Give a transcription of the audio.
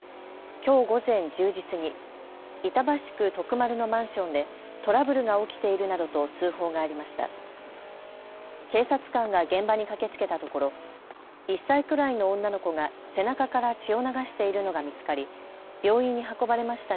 きょう午前１０時過ぎ、板橋区徳丸のマンションでトラブルが起きているなどと通報がありました。